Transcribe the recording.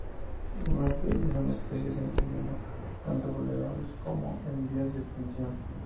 Algunas de ellas son especies en peligro, tanto vulnerables como en vías de extinción.